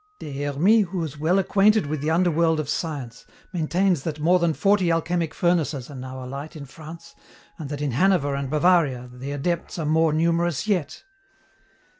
"Des Hermies, who is well acquainted with the underworld of science, maintains that more than forty alchemic furnaces are now alight in France, and that in Hanover and Bavaria the adepts are more numerous yet.